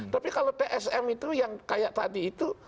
tapi kalau tsm itu yang kayak tadi itu